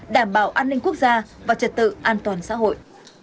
đảm bảo an ninh quốc gia và trật tự an toàn xã hội